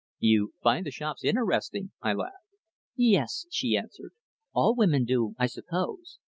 "You find the shops interesting?" I laughed. "Yes," she answered. "All women do, I suppose.